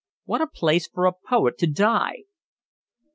What a place for a poet to die!"